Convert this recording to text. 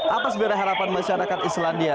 apa sebenarnya harapan masyarakat islandia